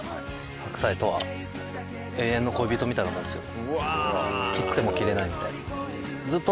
白菜とは永遠の恋人みたいなもんですよ。